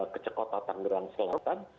kecamatan tangerang selatan